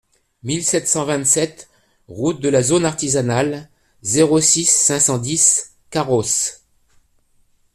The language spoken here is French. mille sept cent vingt-sept route de la Zone Artisanale, zéro six, cinq cent dix Carros